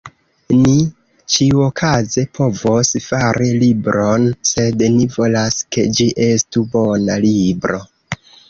Ni ĉiuokaze povos fari libron, sed ni volas ke ĝi estu bona libro.